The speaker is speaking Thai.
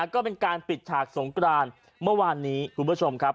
ก็เป็นการปิดฉากสงกรานเมื่อวานนี้คุณผู้ชมครับ